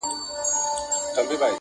د حق وینا یمه دوا غوندي ترخه یمه زه,